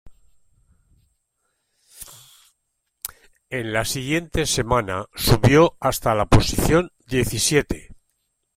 En la siguiente semana, subió hasta la posición diecisiete.